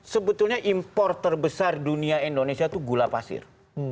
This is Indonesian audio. sebetulnya impor terbesar dunia indonesia itu gula pasir